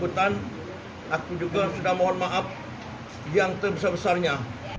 kepada masyarakat yang menyesali perbuatannya aku pribadi minta maaf yang sebesar besarnya